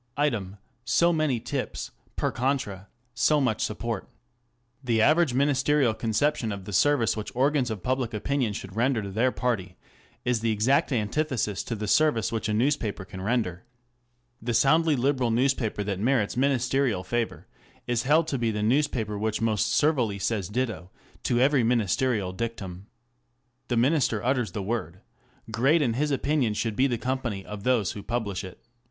Item, so many "tips;" per contra, so much support. The average Ministerial conception of the service which organs of public opinion should render to their party is the exact antithesis to the service which a newspaper can render. The soundly Liberal newspaper that merits Ministerial favour is held to be the newspaper which most servilely says ditto to every Ministerial dictum. Digitized by Google GOVERNMENT BY JOURNALISM. 661 The Minister utters the word : great in his opinion should be the company of those who publish it.